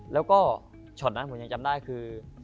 แล้วก็ฉอดนะผมยังจำได้คือ